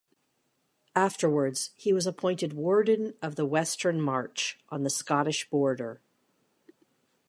Afterwards he was appointed Warden of the Western March on the Scottish Border.